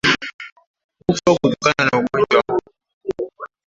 hufa kutokana na ugonjwa huu